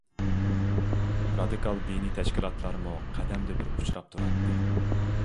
رادىكال دىنىي تەشكىلاتلارمۇ قەدەمدە بىر ئۇچراپ تۇراتتى.